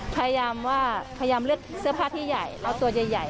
พยายามเลือกเสื้อผ้าที่ใหญ่เอาตัวใหญ่